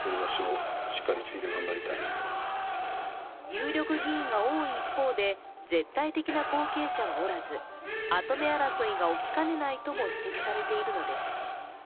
有力議員が多い一方で、絶対的な後継者はおらず、跡目争いが起きかねないとも指摘されているのです。